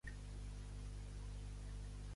Amb què el va obsequiar Darios?